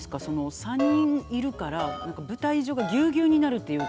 ３人いるから舞台上がギュウギュウになるというか。